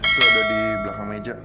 itu ada di belakang meja